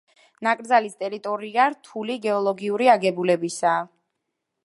ნაკრძალის ტერიტორია რთული გეოლოგიური აგებულებისაა.